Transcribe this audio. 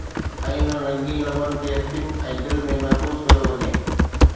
۽ انهن رنگين لمحن کي اکين ۽ دل ۾ محفوظ ڪيو وڃي.